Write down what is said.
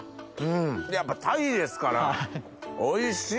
やっぱ鯛ですからおいしい！